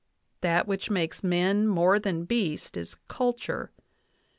... That which makes men more than beast is culture.